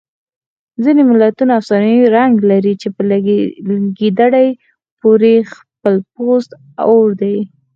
ځینې متلونه افسانوي رنګ لري لکه په ګیدړې پورې خپل پوست اور دی